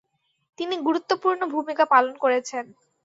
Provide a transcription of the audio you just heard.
তিনি গুরুত্বপূর্ণ ভূমিকা পালন করেছেন।